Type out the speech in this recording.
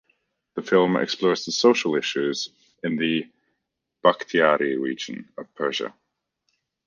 The film explores the social issues in the Bakhtiari region of Persia.